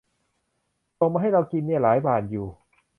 ส่งมาให้เรากินเนี่ย หลายบาทอยู่